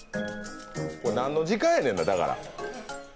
何の時間やねん、だから。